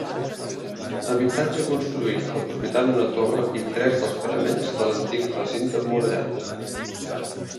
Habitatge construït aprofitant una torre i tres dels paraments de l'antic recinte emmurallat.